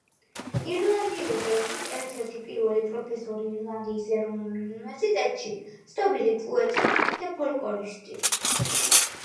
ირლანდიური ენის ერთ-ერთი პირველი პროფესორი ირლანდიის ეროვნულ უნივერსიტეტში, ცნობილი პოეტი და ფოლკლორისტი.